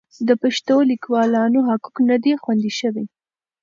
د پښتو لیکوالانو حقوق نه دي خوندي شوي.